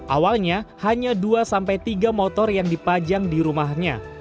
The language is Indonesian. awalnya hanya dua sampai tiga motor yang dipajang di rumahnya